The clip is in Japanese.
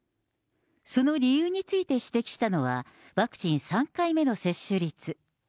その理由について指摘したのは、ワクチン３回目の接種率。